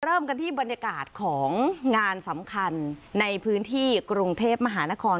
เริ่มกันที่บรรยากาศของงานสำคัญในพื้นที่กรุงเทพมหานคร